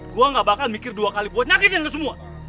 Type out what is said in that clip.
gue gak bakal mikir dua kali buat nyakitin itu semua